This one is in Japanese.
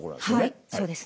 はいそうですね。